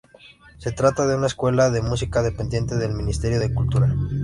Se trata de una escuela de música dependiente del Ministerio de Cultura.